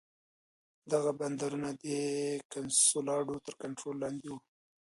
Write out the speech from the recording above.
دغه بندرونه د کنسولاډو تر کنټرول لاندې وو.